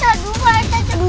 aduh pak rt cepetan